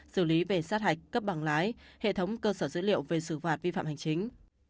xử lý về sát hạch cấp bằng lái hệ thống cơ sở dữ liệu về xử phạt vi phạm hành chính